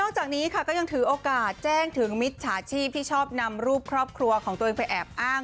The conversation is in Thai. จากนี้ค่ะก็ยังถือโอกาสแจ้งถึงมิจฉาชีพที่ชอบนำรูปครอบครัวของตัวเองไปแอบอ้าง